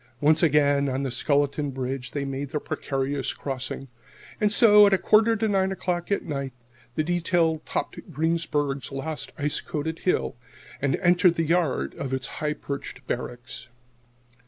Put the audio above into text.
Once again on the skeleton bridge they made the precarious crossing. And so, at a quarter to nine o'clock at night, the detail topped Greensburg's last ice coated hill and entered the yard of its high perched Barracks.